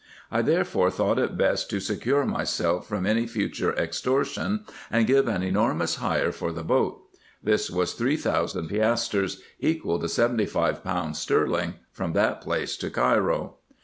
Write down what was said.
I therefore thought it best to secure myself from any future extortion, and give an enormous hire for the boat. This was tliree thousand piastres, equal to seventy five pounds sterling, from that place to Cairo.